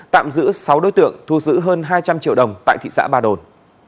tạm giữ sáu đối tượng thu giữ hơn hai trăm linh triệu đồng tại thị xã ba đồn